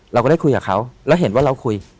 เราก็ได้คุยกับเขาแล้วเห็นว่าเราคุย